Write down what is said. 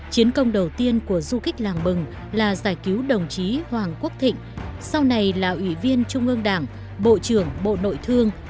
chiến công đầu tiên của du kích làng mừng là giải cứu đồng chí hoàng quốc thịnh sau này là ủy viên trung ương đảng bộ trưởng bộ nội thương